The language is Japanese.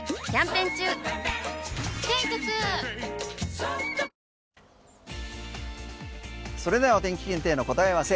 ペイトクそれではお天気検定の答え合わせ。